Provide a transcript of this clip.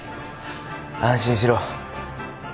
安心しろ。